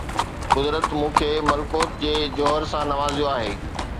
قدرت مون کي ملڪوت جي جوهر سان نوازيو آهي